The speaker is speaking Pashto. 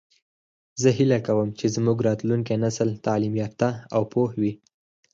زه هیله کوم چې زموږ راتلونکی نسل تعلیم یافته او پوه وي